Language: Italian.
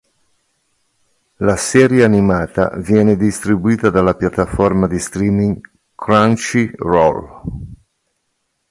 La serie animata viene distribuita dalla piattaforma di streaming Crunchyroll.